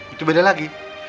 itu beda lagi